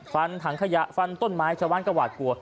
ฟันถังขยะฟันต้นไม้ชาวบ้านก็หวาดกลัว